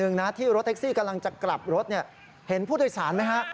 โดยสารด้วยกรณาอาริกลับสำหรับผู้โดยกรรม